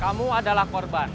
kamu adalah korban